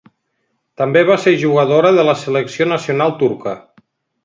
També va ser jugadora de la selecció nacional turca.